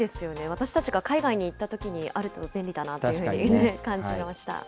私たちが海外に行ったときにあると便利だなというふうに感じました。